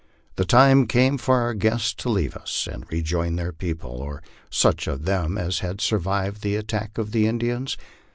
The time came for our guests to leave .us, and rejoin their people, or such of them as had survived the attack of the Indians.